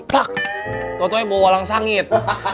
tuker tuker bau walang sangit